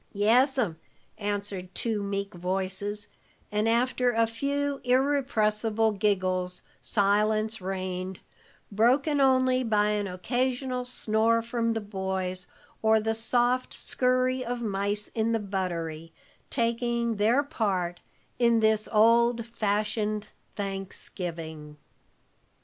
"Yes'm," answered two meek voices, and after a few irrepressible giggles, silence reigned, broken only by an occasional snore from the boys, or the soft scurry of mice in the buttery, taking their part in this old fashioned Thanksgiving.